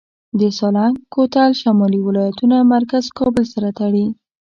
د سالنګ کوتل شمالي ولایتونه مرکز کابل سره تړي